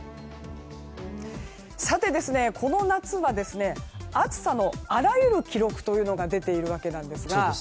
さて、この夏は暑さのあらゆる記録というのが出ているわけなんですが。